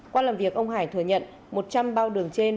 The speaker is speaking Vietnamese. qua làm việc ông hải thừa nhận một trăm linh bao đường trên